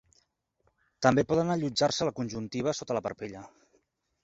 També poden allotjar-se a la conjuntiva sota la parpella.